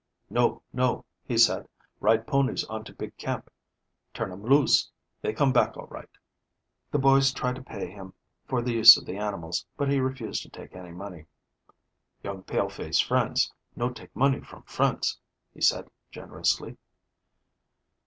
"No, no," he said, "ride ponies on to big camp. Turn 'em loose. They come back all right." The boys tried to pay him for the use of the animals, but he refused to take any money. "Young pale faces friends. No take money from friends," he said generously.